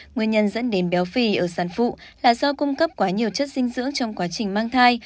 nguyên nhân dẫn đến béo phì ở sản phụ là do cung cấp quá nhiều chất dinh dưỡng trong quá trình mang thai